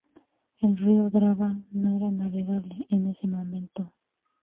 El río Drava no era navegable en ese momento.